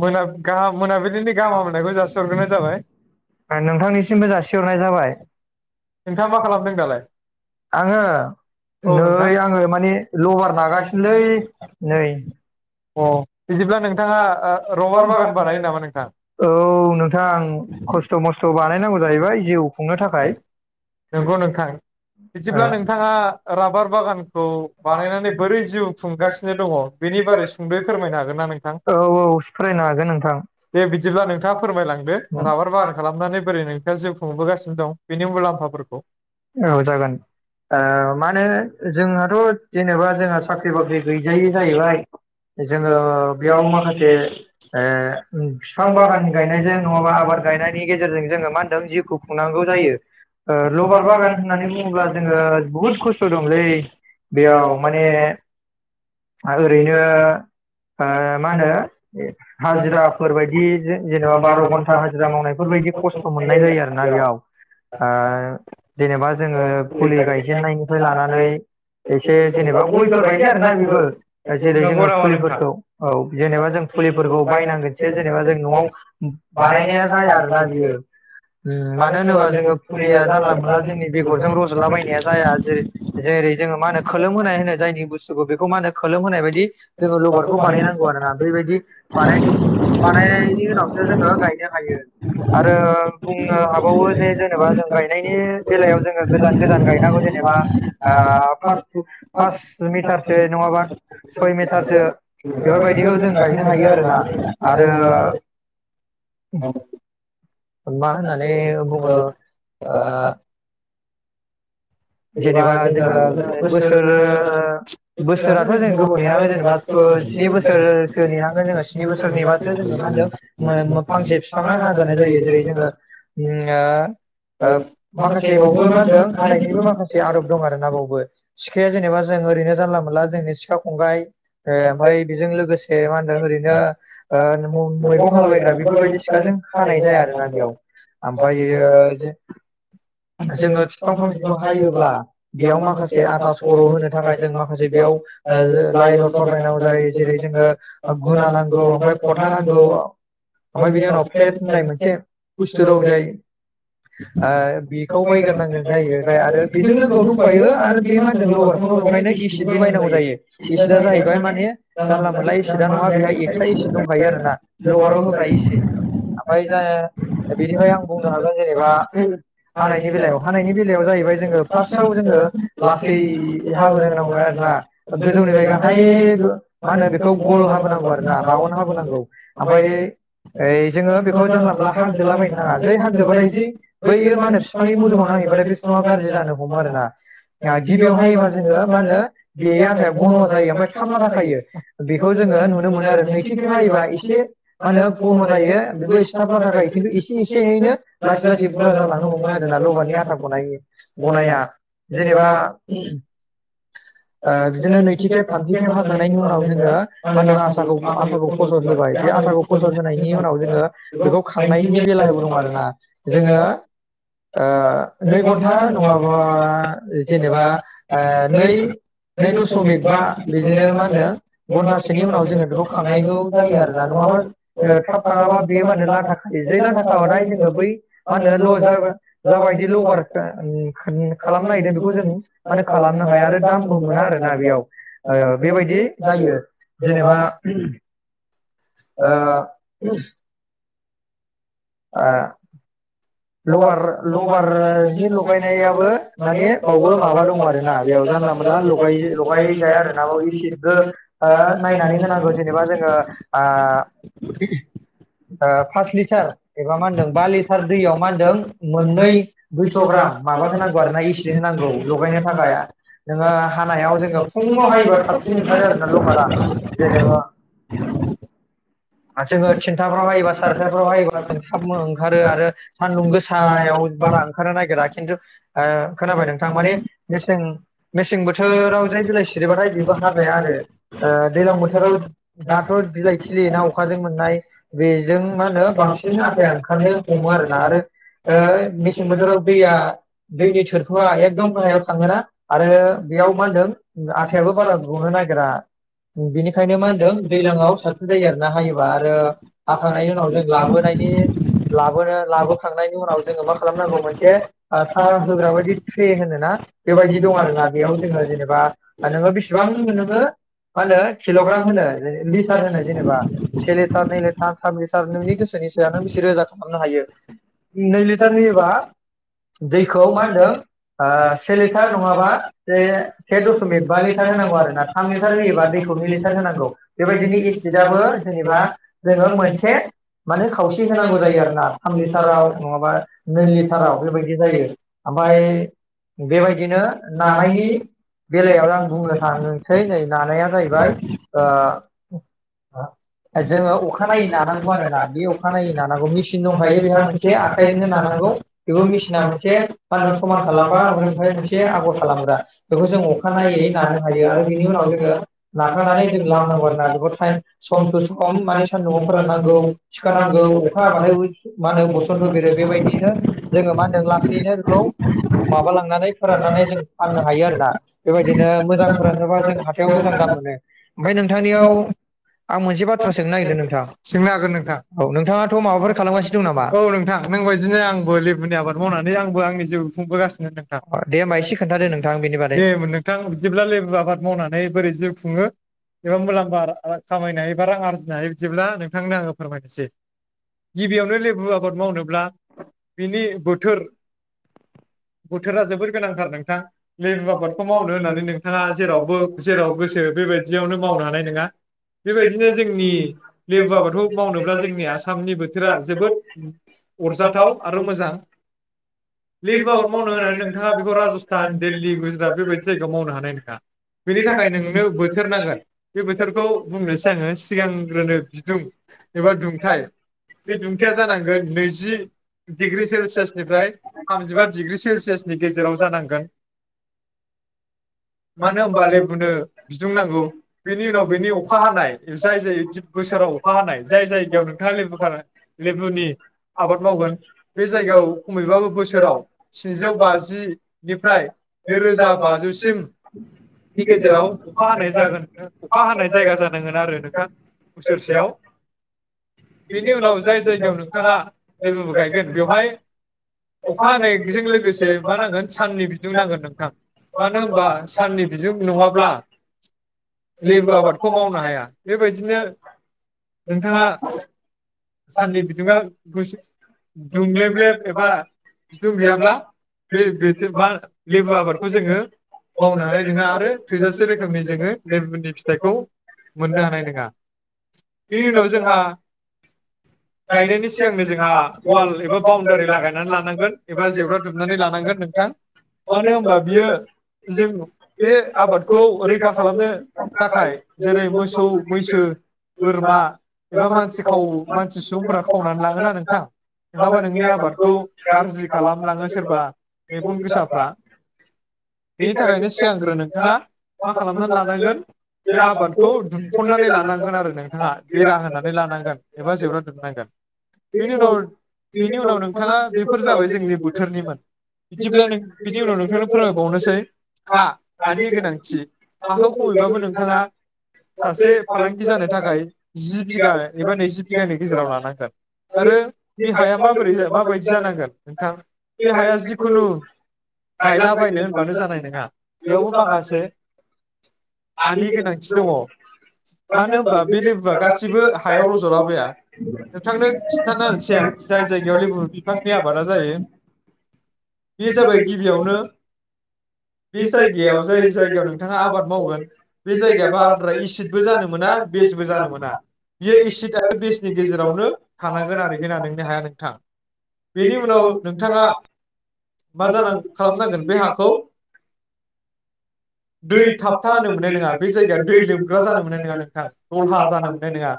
मोनाब गाहा मोनाबिलिनि गाहामा हामग्लायनायखौ जासिहरग्रोनाय जाबाय। नोंथाङा मा खालामदों दालाय? औ नोंथां अ बिदि नोंथाङा ओ रबार बागान बानायो नामा नोंथां? नोंगौ नोंथां बिदिब्ला नोंथाङा राबार बागानखौ बानायनानै बोरै जिउ खुंगासिनो दङ बेनि बारै सुंद'यै फोरमायनो हागोन ना नोंथां? दे बिदिब्ला नोंथाङा फोरमायलांदो राबार बागान खालामनानै बोरै नोंथाङा जिउ खुंबोगासिनो दं औ जागोन ओ मा होनो जोंहाथ जेनेबा जोंहा साख्रि बाख्रि गैजायै जाहैबाय जोङो बेयाव माखासे ओ फिफां बागान गायनायजों नङाबा आबाद गायनायनि गेजेरजों जोङो मा होनदों जिउखौ खुंनांगौ जायो। ओ लबार बागान होननानै बुङोब्ला जोङो बुहुत खस्थ दंलै बेयाव माने ओरैनो ओ मा हो नो हाजिराफोर बायदि जे जेनेबा बार घन्टा हाजिरा मावनायफोर बायदि खस्थ मोननाय जायो आरोना बेयाव। आ जेनेबा जोङो फुलि गायजेननायनिफ्राय लानानै एसे जेनेबा गयफोर बायदि आरोना बेबो जेरै जोङो फुलिफोरखौ औ जेनेबा जों फुलिफोरखौ बायनांगोनसो जेनेबा जों नआव बानायनाया जाया आरो ना बियो। ओम मानो होनोबा जोङो फुलिया जानला मोनला जोंनि बेगरजों रजला बायनाया जाया जेरै जेरै जोङो मा होनो खोलोमहोनाय होनो जायनि बुस्थु खौ मा होनो खोलोम होनाय बायदि जोङो लबारखौ बानायनांगौ आरोना। बैबायदि बानाय बानायनायनि उनावसो जोङो गायनो हायो आरो बुंनो हाबावो जे जेनेबा जों गायनायनि बेलायाव जोङो गोजान गोजान गायनांगौ जेनेबा ओ फास फुत फास मिटार नङाबा सय मिटारसो बेफोरबायदिखौ जों गायनो हायो आरोना आरो मा होननानै बुङो ओ जेनेबा जोङो बोसोर बोसोराथ जों गोबाव नेनांगोन जेनेबा स्नि बोसोरसो नेनांगोन जोङो स्नि बोसोर नेबासो जोङो मा होनदों फांसे बिफांङा हाजानाय जायो जेरै जोङो ओ माखासेबावबो मा होनदों हानायनिबो माखासे इसे आदब दं आरोना बावबो सिखाया जेनेबा जों ओरैनो जानला मोनला जोंनि सिखा खंखाइ ओ ओमफाइ बेजों लोगोसे मा होनदों ओरैनो मैगं हालाबायग्रा बेफोरबायदि सिखाजों हानाय जाया आरोना बेयाव ओमफ्रायो जोङो बिफां फांसेखौ बायोब्ला बेयाव माखासे आथा सर होनो थाखाय जों माखासे बेयाव लाइ लथर बायनांगौ जायो जेरै जोङो गुना नांगौ ओमफ्राय खथा नांगौ ओमफ्राय बिनि उनाव फ्लेट होननाय मोनसे बुस्थु दं जाय खौ बायगोरनांगोन जायो ओमफ्राय आरो बेजों लोगोआव दंबायो आरो बे मा होनदों लवारखौनो लगायनो एसिदबो बायनांगौ जायो एसिदआ जाहैबाय माने जानला मोनला एसिदा नङा बेहााय एक्सट्रा एसिद दंखायो आरो ना लवाराव होग्रा एसिड ओमफ्राय ज बेनिफ्राय आं बुंनो हागोन जेनेबा हानायनि बेलायाव हानायनि बेलायाव जायो ओमफ्राय जोङो फासआव जोङो लासै हाबो नांगौ आरो ना गोजौनिफ्राय गाहाय दो मा होनो बेखौ गल हाबो नांगौ आरो ना राउनद हाबो नांगौ ओमफाय बेखौ जोङो जानला मानला हादेरला बायनो नाङा जै हादेरबाथाय बैयो मा होनो फिथ थांनि मोदोमाव नांहै बाथाय गो बिफा गाज्रि जानो हमो आरो ना गिबियावहा एबार जोङो मा होनो बे आटाया गन जायो ओमफ्राय थाब लाथा खायो बेखौ जोङो नुनो मोनो आरो नैथि खेब हायोबा एसे मा होनो गन जायो बेखौ एसे थाब्ला थाखायो खिन्थु एसे एसे एनैनो लासै लासै बुरजा जालांनो हमो आरो जोना लबानि था बनायो गनाया जेनेबा ओ बिदिनो नैथि खेब थामथि खेब हाखांनायनि उनाव जोङो मा होनो आसाखौ आटाखौ फसरग्रोबाय बे आटाखौ फसरग्रोनायनि उनाव जोङ बेखौ खांनायनि बेलाबो दं आरो ना जोङो ओ नै घन्टा टा नङाबा जेनेबा ओ नै नै दसमिक बा बिदिनो मा होनो घन्टासोनि उनाव जोङो बेखौ खांनागौ जायो आरो ना नङाबा ओ थाब खाङाबा बेयो मा होनो लाथा खायो जै लाथाखाबाथाय जोङो बै मा होनो लस जाब जाबायदि लबार खालामनो नागिरदों बेखौ जों माने खालामनो हाया आरो दामबो मोना आरो ना बेयाव बेबायदि जायो जेनेबा ओ आ लबार लबारनि लगायनायाबो मानि बावबो माबा दङ आरो ना बेयाव जानला मोनला लगाय लगाय जाया आरोना बे एसिदबो ओ नायनानै होनांगौ जेनेबा जोङो ओ ओ फास लिटार एबा मा होनदों बा लिटार दैयाव मा होनदों मोननै दुइस ग्राम माबा होनांगौ आरोना इसे होनांगौ लगायनो थाखाय नोङो हानायाव जोङो फुङाव हायोबा थाबसिन ओंखारो आरोना लबारा जेनबा जोङो थिनथाफ्राव हायोबा सारिथाफ्राव हायोबा जों थाब ओंखारो आरो सान्दुं गोसायाव बारा ओंखारनो नागिरा खिन्थु ओ खोनाबाय नोंथां माने मेसें मेसें बोथोराव जाय बिलाइ सिरिबाथाय बेबो हाजाया आरो दैलां बोथोराव दाथ बिलाइ खिलियोना अखाजों बेजों मा होनो बांसिन आफाया ओंखारनो हमो आरो आरो मेसें बोथोराव दैया दैनि थोरफोआ एकदम गाहायाव थाङोना आरो बेयाव मा होनदों आथायाबो बारा गनो नागिरा बेनिखायनो मा होनदों दैजलांआव साबसिन जायो आरोना हायोबा ओ हाखांनायनि उनाव जों लाबोनायनि लाबोनो लाबोखांनायनि उनाव जोङो मा खालामनांगौ मोनसे साहा होग्रा बायदि ट्रे होनो ना बेबायादि दं आरो ना बेयाव जोङो जेनेबा नोङो बेसेबां नोङो मा होनो किलग्राम होनो लिटार होनो जेनेबा से लिटार नै लिटार थाम लिटार नोंनि गोसोनि सायाव नों बिसि रोजा खालामनो हायो नै लिटार होयोबा दैखौ मा होनदों आ से लिटार नङाबा से से दसमिक बा लिटार होनांगौ आरोना थाम लिटार होयोबा दैखौ नै लिटार होनांगौ बेबायदिनो एसिडआबो जेनेबा जोङो मोनसे माने खावसे होनांगौ जायो आरोना थाम लिटाराव नङाबा नै लिटाराव बेबायदि जायो ओमफ्राय बेबायदिनो नानायनि बेलायाव आं बुंनो थांसै नै नानाया जाहैबाय ओ जोङो अखा नायै नानांगौ आरो ना बे अखानायै नानांगौ मेसिन दं थायो बेहा मोनसे आखाइजोंनो नानांगौ बेबो मेसिना मोनसे मा होनदों समान खालामबा ओमफ्राय मोनसे आगर खालामग्रा बेखौ जों अखानायनायै नानो हायो आरो बेनि उनाव जोङो नाखांनानै जों लामनांगौ आरोना बेखौ सम थु सम माने सान्दुंआव फोराननांगौ थिखानांगौ अखा हाबाथाय मा होनो बसन्त बेरो बेबायदिनो जोङो मा होनदों लासैनो बेखौ माबा लांनानै फोराननानै जों फाननो हायो आरोना बेबायदिनो मोजां फोरानोबा जों हाथायाव मोजां दाम मोनो ओमफ्राय नोंथांनियाव आं मोनसे बाथ्रा सोंनो नागिरदों नोंथां औ नोंथाङाथ माबाफोर खालामगासिनो औ नोंथां नों बदिनो आंबो लेबुनि आबाद मावनानै आंबो आंनि जिउ खुंबोगासिनो [unintelligible] दे नोंथां बिदिब्ला लेबु आबाद मावनानै बोरै जिउ खुङो एबां मुलाम्बा खामायनाय बारां आरजिनो हायो बिदिब्ला नोंथांनो आङो फोरमायनोसै गिबियावनो लेबु आबाद मावनोब्ला बिनि बोथोर [unintelligible] बोथोरा जोबोर गोनांथार नोंथां लेबु आबादखौ मावनो होननानै नोंथाङा जेरावबो जेराव गोसो बेबायदियावनो मावनो हानाय नङा बेबायदिनो [unintelligible] लेबु आबादखौ मावनोब्ला जोंनि आसामनि बोथोरा जोबोद अरजाथाव आरो मोजां। लिबु आबाद मावनो होनानै नोंथाङा बेखौ राजस्थान दिल्ली गुजरात बेबायदि जायगायाव मावनो हानाय नोंङा बेनि थाखाय नोंनो बोथोर नांगोन बे बोथोरखौ बुंनोसै आङो सिगांग्रोनो बिदुं एबा दुंथाय बे दुंथाया जानांगोन नैजि डिग्रि सेलसियासनिफ्राय थामजिबा डिग्रि सेलसियासनि गेजेराव जानांगोन। मानो होनबा लेबुनो बिदुं नांगौ बेनि उनाव बेनि अखा हानाय जाय जाय बोसोराव अखा हानाय जाय जायगायाव नोंथाङा लेबु खा लेबुनि आबाद मावगोन बे जायगायाव खमैबाबो बोसोराव स्निजौ बाजिनिफ्राय नैरोजा बाजौसिम नि गेजेराव अखा हानाय जागोन अखा हानाय जायगा जानांगोन आरो नोंथां बोसोरसेयाव [unintelligible] अखा हानायजों लोगोसे मा नांगोन साननि बिदुं नांगोन नोंथां मानो होनबा साननि बिजों नङाब्ला लेबु आबादखौ मावनो हाया बेबायदिनो नोंथाङा साननि बिदुङा गुसु दुंलेब लेब एबा बिदुं गैयाब्ला बे मा लेबु आबादखौ जोङो मावनो हानाय नङा आरो थोजासे रोखोमनि जोङो लेबुनि फिथाइखौ मोननो हानाय नो आ बेनि उनाव जोंहा गायनायनि सिगांनो जोंहा वाल एबा बाउण्डारि लागायनानै लानांगोन एबा जेवरा दुमनानै लानांगोन नोंथां मानो होनबा बियो जों बे आबादखौ रैखा खालामनो थाखाय जेरै मोसौ। सो। बोरमा एबा मानसि खाव मानसि सुबुंफ्रा खावनानै लाङोना नोंथां नङाबा नोंनि आबादखौ गाज्रि खालामलाङो सोरबा मेगन गोसाफ्रा बेनि थाखायनो सिगांग्रो नोंथाङा मा खालामनानै लानांगोन बे आबादखौ दुम। खननानै लानांगोन आरो नों। बेरा होनानै लानांगोन एबा जेवरा दुमनांगोन बेनि उनाव बेनि उनाव नोंथाङा बेफोर जाबाय जोंनि बोथोरनिमोन बिदिब्ला नों बिनि उनाव नोंथांखौ फोरमायबावनोसै हा हानि गोनांथि हाखौ खमैबाबो नोंथाङा। सासे फालांगि जानो थाखाय। जि बिघा एबा नैजि बिगानि गेजेराव लानांगोन आरो बे हाया माबोरै माबायदि जानांगोन नोंथां बे हाया जिखुनु गायलाबायनो होनबानो जानाय नङा बेयावबो माखासे हानि गोनांथि दङ। मानो होमबा बे लेबु। गासिबो हायाव रजला बोया नोंथांनो खिन्थाना होनसै आं जाय जायगायाव लेबु बिफांनि आबादा जायो। बे जाबाय गिबियावनो। बे जायगायाव जाय जायगायाव नोंथाङा आबाद मावगोन बे जायगाया भारत। फ्राय एसिदबो जानो मोना बेसबो जानो मोना बियो एसिड आरो बेसनि गेजेरावनो थानांगोन आरोखि ना नोंनि हाया नोंथां बेनि उनाव नोंथाङा मा जान खालामनांगोन बे हाखौ। दै थाबथा होनो मोननाय नङा बे जायगाया। दै लोमग्रा जानो मोननाय नङा नोंथां दलहा जानो मोननाय नङा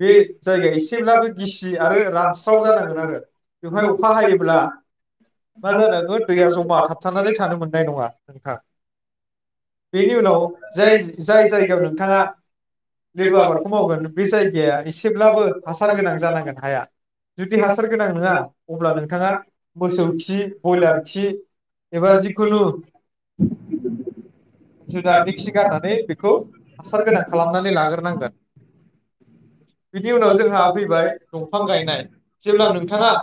बे जायगाया एसेब्लाबो गिसि आरो रानस्राव जानांगोन आरो बेवहाय अखा हायोब्ला मा जानांगौ दैया जमा थाबथानानै थानो मोननाय नङा नोंथां। बेनि उनाव जाय जाय जायगा। जायगायाव नोंथाङा लेबु आबादखौ मावगोन बे जायगाया एसेब्लाबो हासार गोनां जानांगोन हाया जुदि हासार गोनां नङा अब्ला नोंथाङा मोसौ खि बयलार खि एबा जिखुनु‌ जुनारनि खि गारनानै बेखौ हासार गोनां खालामनानै लाग्रोनांगोन। बिनि उनाव जोंहा फैबाय दंफां गायनाय जेब्ला नोंथाङा।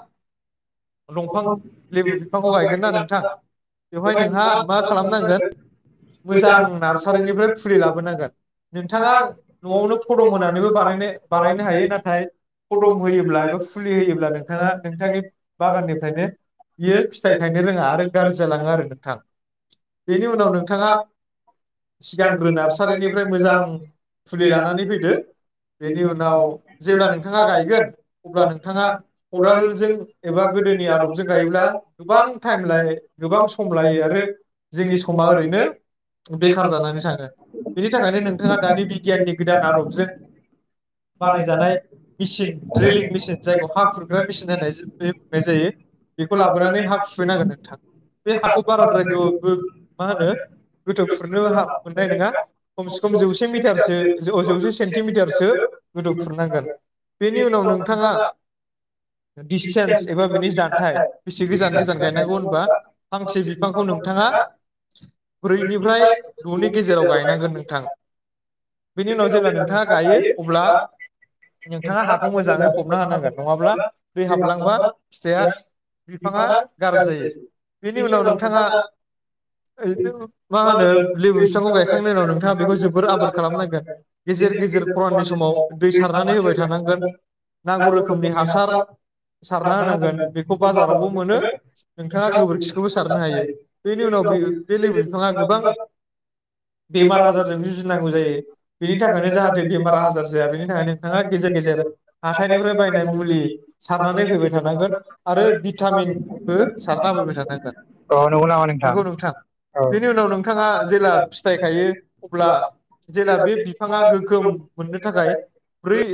दंफां लेबु बिफांखौ गायगोन ना नोंथां बेवहाय नोंहा मा खालामनांगोन। मोजां नार्सारिनिफ्राय फुलि लाबोनांगोन नोंथाङा नआवनो खदम होनानैबो बानायनो बानायनो हायो नाथाय खदम होयोब्ला एबा फुलि होयोब्ला नोंथाङा नोंथांनि। बागाननिफ्रायनो बियो फिथाइ थायनो रोङा आरो गाज्रि जालाङो आरो नोंथां बेनि उनाव नों। नोंथाङा सिगांग्रो नार्सारिनिफ्राय मोजां फुलि लानानै फैदो बेनि उनाव जेब्ला नोंथाङा गायगोन अब्ला नोंथाङा खदालजों एबा। गोदोनि आदबजों गायोब्ला गोबां टाइम लायो गोबां सम लायो आरो जोंनि समा ओरै। बेखार जानानै थाङो बेनि थाखायनो नोंथाङा दानि बिगियाननि गोदान आदबजों बानायजानाय मेसिन रिलिं मेसिन जायखौ हा खुरग्रा मेसिन होननाय बे। निजेल बेखौ लाबोनानै हा सुफैनांगोन नोंथां बे हाखौ बाराद्राय गो मा होनो। गोथौ खुरनो हा मोननाय नोङा खमसे खम जौसे मिटारसो जौसे सेन्टिमिटारसो गोथौ खुरनांगोन बेनि उनाव नोंथाङा डिसटेन्स एबा बिनि जान्थाय बेसे गोजान गोजान गायनांगौ होनबा फांसे बिफांखौ नोंथाङा ब्रैनिफ्राय दनि गेजेराव गायनांगोन नोंथां बेनि उनाव जेब्ला नोंथाङा गायो अब्ला नोंथाङा हाखौ मोजाङै फबना हानांगोन नङाब्ला दै हाबलां मा फिथाइया बिफाङा गाज्रि जायो बेनि उनाव नोंथाङा मा होनो लेबु बिफांखौ गायखांनायनि उनाव नोंथाङा बेखौ जोबोर आबोर खालामनांगोन गेजेर गेजेर खराननि समाव दै सारनानै होबाय थानांगोन नांगौ रोखोमनि हासार सारना होनांगोन बेखौ बाजारावबो मोनो नोंथाङा गोबोरखिखौबो सारनो हायो बेनि उनाव बे बे लेबु [unintelligible] औ नंगौ नामा नोंथां। बेनि उनाव नोंथाङा जेला फिथायाइखायो अब्ला जेला बे बिफाङा गोगोम मोननो थाखाय ब्रै